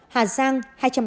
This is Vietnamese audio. hà giang hai trăm ba mươi sáu